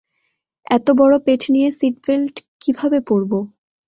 এতবড় পেট নিয়ে seat belt কীভাবে পড়বো?